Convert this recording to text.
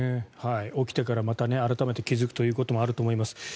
起きてからまた改めて気付くということもあると思います。